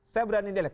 saya berani nilai